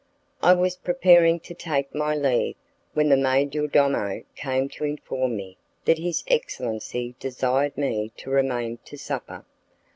I was preparing to take my leave, when the majordomo came to inform me that his excellency desired me to remain to supper.